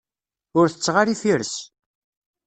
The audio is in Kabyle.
Ur tetteɣ ara ifires.